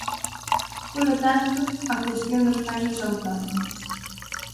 Polo tanto, a cuestión dos falsos autónomos.